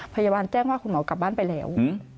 พยาบาลแจ้งว่าคุณหมอกลับบ้านไปแล้ว